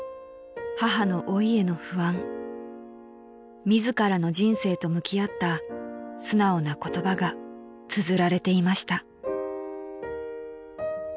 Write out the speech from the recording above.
母の老いへの不安自らの人生と向き合った素直な言葉がつづられていました］